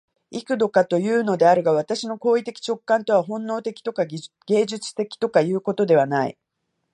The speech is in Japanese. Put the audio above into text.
幾度かいうのであるが、私の行為的直観とは本能的とか芸術的とかいうことではない。